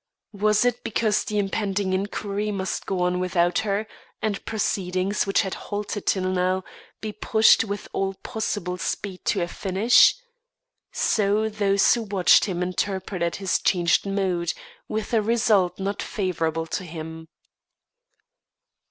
Was it because the impending inquiry must go on without her, and proceedings, which had halted till now, be pushed with all possible speed to a finish? So those who watched him interpreted his changed mood, with a result not favourable to him.